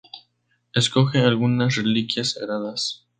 Acoge algunas reliquias sagradas.